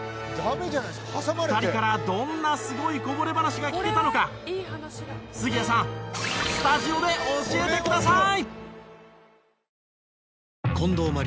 ２人からどんなすごいこぼれ話が聞けたのか杉谷さんスタジオで教えてください！